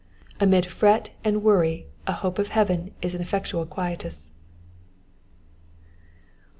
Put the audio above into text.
Amid fret and worry a hope of heaven is an effectual quietus. 115.